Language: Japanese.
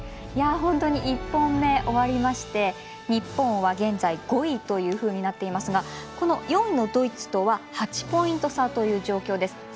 本当に１本目終わりまして日本は現在、５位というふうになっていますがこの４位のドイツとは８ポイント差という状況です。